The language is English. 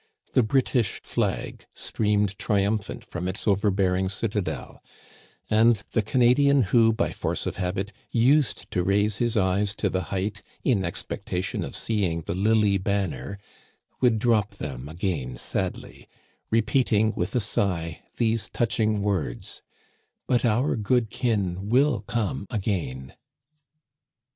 The British flag streamed triumphant from its overbearing citadel, Digitized by VjOOQIC THE FAMILY HEARTH, 255 and the Canadian who, by force of habit, used to raise his eyes to the height in expectation of seeing the lily banner, would drop them again sadly, repeating with a sigh these touching words, " But our good kin will come again."